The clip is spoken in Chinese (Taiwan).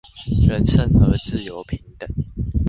人生而自由平等